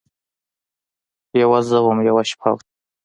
یوه زه وم ، یوه شپه وه